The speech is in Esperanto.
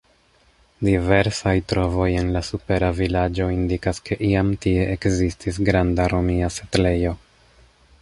Diversaj trovoj en la supera vilaĝo indikas, ke iam tie ekzistis granda romia setlejo.